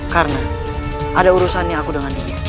karena ada urusannya aku dengan dia